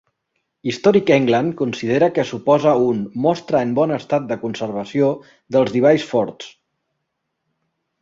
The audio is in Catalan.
Historic England considera que suposa un "mostra en bon estat de conservació" dels Device Forts.